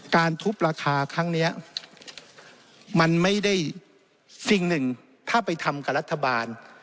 การทุบราคาครั้งนี้มันไม่ได้สิ่งหนึ่งถ้าไปทำกับรัฐบาล